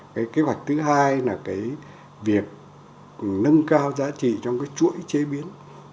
cái kế hoạch thứ hai là cái việc nâng cao giá trị trong cái chuỗi chế biến